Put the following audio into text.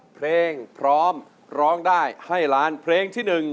เพลงพร้อมร้องได้ให้ล้านเพลงที่๑